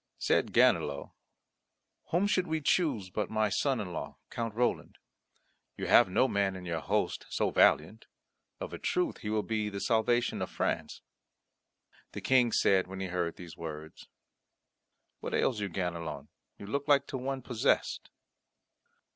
Said Ganelon, "Whom should we choose but my son in law, Count Roland? You have no man in your host so valiant. Of a truth he will be the salvation of France." The King said when he heard these words, "What ails you, Ganelon? You look like to one possessed."